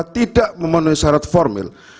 tidak memenuhi syarat formil